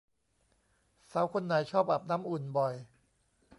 สาวคนไหนชอบอาบน้ำอุ่นบ่อย